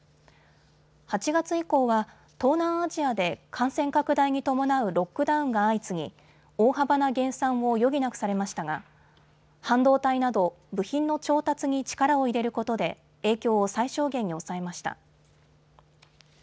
８月以降は東南アジアで感染拡大に伴うロックダウンが相次ぎ大幅な減産を余儀なくされましたが半導体など部品の調達に力を入れることで影響を最小限に抑えました。